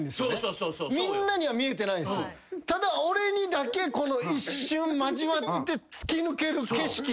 ただ俺にだけ一瞬交わって突き抜ける景色っていうのが。